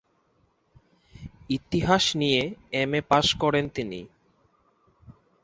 ইতিহাস নিয়ে M A পাশ করেন তিনি।